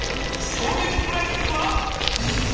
衝撃プライスは？